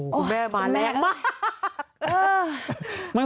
คุณแม่มาแรงมาก